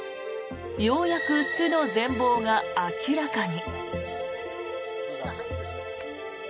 ようやく巣の全ぼうが明らかに。